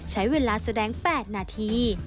ใช้เวลาแสดง๘นาที